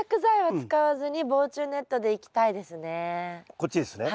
こっちですね？